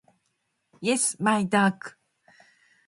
イエスマイダーク